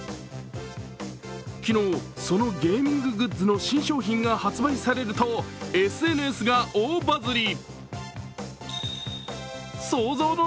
昨日、そのゲーミンググッズの新商品が発売されるとＳＮＳが大バズり。